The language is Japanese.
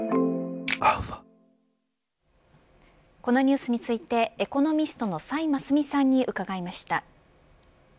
このニュースについてエコノミストの崔真淑さんに伺いました。